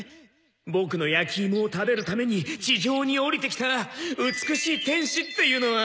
「ボクの焼き芋を食べるために地上に降りてきた美しい天使っていうのは」